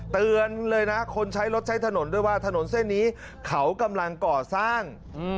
เตือนเลยนะคนใช้รถใช้ถนนด้วยว่าถนนเส้นนี้เขากำลังก่อสร้าง